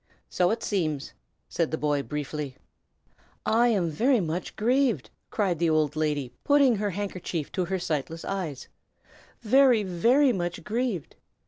"So it seems!" said the boy, briefly. "I am very much grieved!" cried the old lady, putting her handkerchief to her sightless eyes, "very, very much grieved!